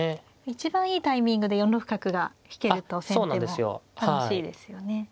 一番いいタイミングで４六角が引けると先手も楽しいですよね。